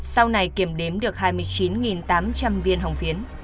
sau này kiểm đếm được hai mươi chín tám trăm linh viên hồng phiến